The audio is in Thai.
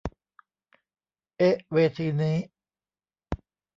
เอ๊ะเวทีนี้